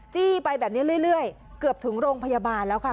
จี้ไปแบบนี้เรื่อยเกือบถึงโรงพยาบาลแล้วค่ะ